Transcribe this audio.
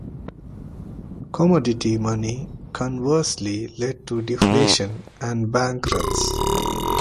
Commodity money conversely led to deflation and bank runs.